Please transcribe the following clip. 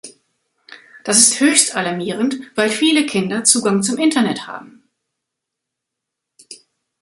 Das ist höchst alarmierend, weil viele Kinder Zugang zum Internet haben.